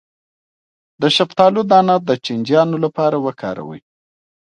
د شفتالو دانه د چینجیانو لپاره وکاروئ